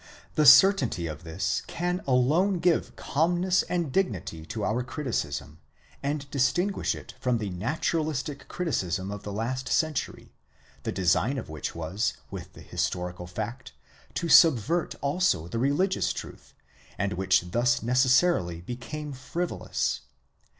The certainty of this can alone give calmness and dignity to our criticism, and distinguish it from the naturalistic criticism of the last century, the design of which was, with the historical fact, to subvert also the religious truth, and which thus necessarily became frivolous.